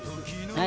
はい！